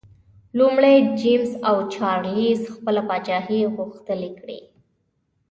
لومړی جېمز او چارلېز خپله پاچاهي غښتلي کړي.